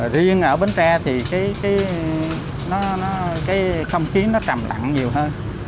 riêng ở bến tre thì cái không khí nó trầm lặng nhiều hơn